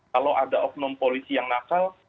kalau ada oknum polisi yang nakal